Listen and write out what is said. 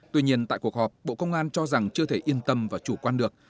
tuy nhiên tại cuộc họp bộ công an cho rằng chưa thể yên tâm và chủ quan được